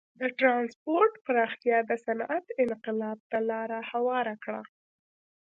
د ټرانسپورت پراختیا د صنعت انقلاب ته لار هواره کړه.